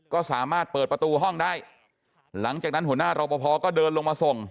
ก็สามารถเปิดประตูห้องได้หลังจากนั้นหัวหน้ารอปภก็เดินลงมาส่ง